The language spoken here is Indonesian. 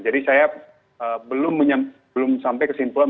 jadi saya belum menyempuh belum sampai kesimpulan